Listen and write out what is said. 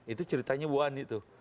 itu ceritanya bu ani tuh